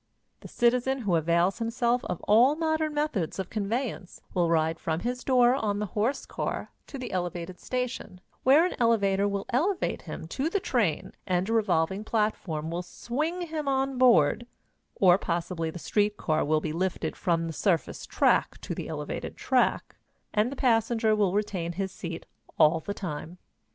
The citizen who avails himself of all modern methods of conveyance will ride from his door on the horse car to the elevated station, where an elevator will elevate him to the train and a revolving platform will swing him on board, or possibly the street car will be lifted from the surface track to the elevated track, and the passenger will retain his seat all the time.